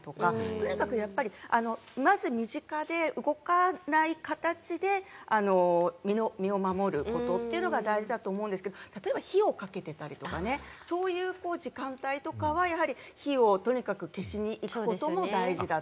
とにかくまず身近で動かない形で身を守る事というのが大事だと思うんですけど、例えば火をかけていたり、そういう時間帯とかはとにかく火を消しに行くことも大事だと。